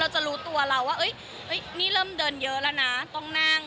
จะรู้ตัวเราว่านี่เริ่มเดินเยอะแล้วนะต้องนั่ง